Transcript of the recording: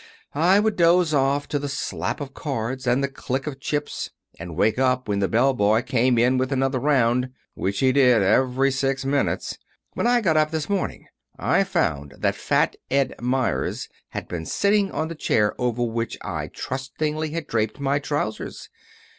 I would doze off to the slap of cards, and the click of chips, and wake up when the bell boy came in with another round, which he did every six minutes. When I got up this morning I found that Fat Ed Meyers had been sitting on the chair over which I trustingly had draped my trousers.